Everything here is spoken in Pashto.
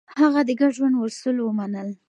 هغه د ګډ ژوند اصول ومنل.